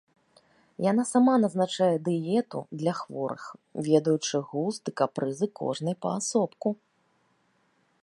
Яна сама назначае дыету для хворых, ведаючы густ і капрызы кожнай паасобку.